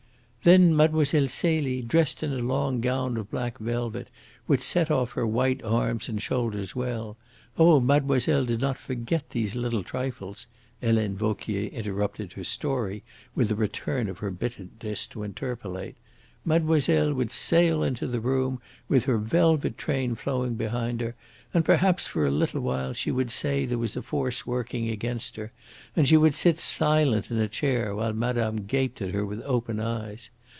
"Then Mlle. Celie, dressed in a long gown of black velvet, which set off her white arms and shoulders well oh, mademoiselle did not forget those little trifles," Helene Vauquier interrupted her story, with a return of her bitterness, to interpolate "mademoiselle would sail into the room with her velvet train flowing behind her, and perhaps for a little while she would say there was a force working against her, and she would sit silent in a chair while madame gaped at her with open eyes.